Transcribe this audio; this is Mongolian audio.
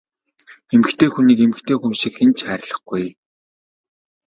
Эмэгтэй хүнийг эмэгтэй хүн шиг хэн ч хайрлахгүй!